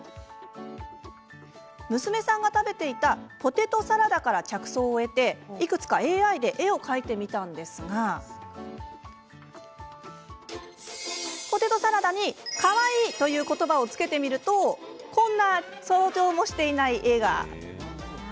娘さんが食べていたポテトサラダから着想を得ていくつかＡＩで絵を描いてみましたがポテトサラダに、かわいいという言葉を付けてみるとこんな想像もしていない絵が。